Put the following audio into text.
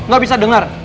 gak bisa dengar